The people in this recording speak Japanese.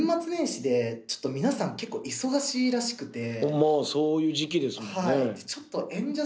まあそういう時季ですもんね。